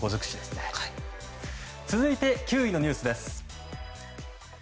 続いて９位のニュースです。